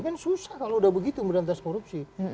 kan susah kalau udah begitu berantas korupsi